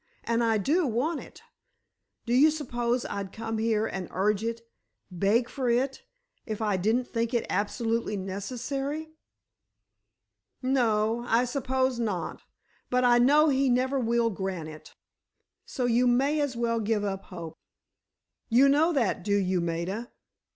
And I do want it! Do you suppose I'd come here and urge it—beg for it—if I didn't think it absolutely necessary?" "No; I suppose not. But I know he never will grant it, so you may as well give up hope." "You know that, do you, Maida?"